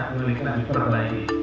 tidak jangan berhenti ya